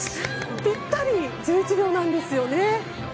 ピッタリ１１秒なんですよね。